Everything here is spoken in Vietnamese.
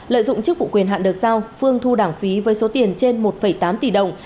lợi dụng chức vụ quyền hạn được giao phương thu đảng phí với số tiền trên một tám tỷ đồng